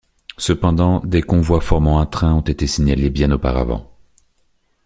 Cependant, des convois formant un train ont été signalés bien auparavant.